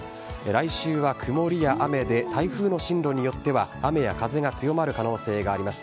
来週は曇りや雨で台風の進路によっては雨や風が強まる可能性があります。